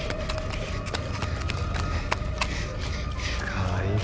かわいいね。